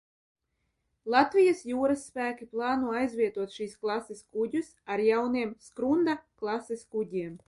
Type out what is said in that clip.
"Latvijas Jūras spēki plāno aizvietot šīs klases kuģus ar jauniem "Skrunda" klases kuģiem."